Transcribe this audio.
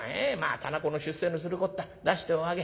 店子の出世のするこった出しておあげ。